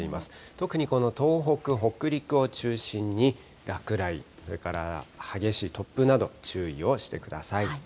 特にこの東北、北陸を中心に落雷、それから激しい突風など、注意をしてください。